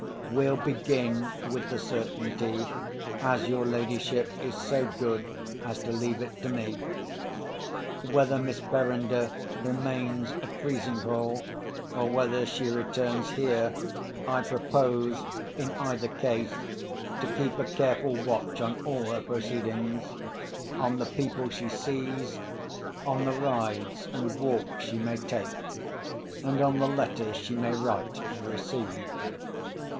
"We'll begin with the certainty, as your ladyship is so good as to leave it to me. Whether Miss Verinder remains at Frizinghall, or whether she returns here, I propose, in either case, to keep a careful watch on all her proceedings—on the people she sees, on the rides and walks she may take, and on the letters she may write and receive."